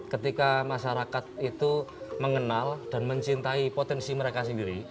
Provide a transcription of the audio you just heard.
ketika masyarakat itu mengenal dan mencintai potensi mereka sendiri